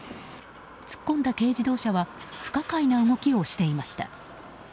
突っ込んだ軽自動車は不可解な動きをしていました。